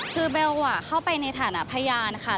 คือเบลเข้าไปในฐานะพยานค่ะ